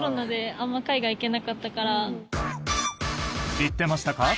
知ってましたか？